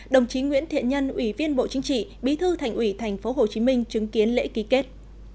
đồng chí nguyễn thiện nhân ủy viên bộ chính trị bí thư thành ủy thành phố hồ chí minh chứng kiến lễ ký kết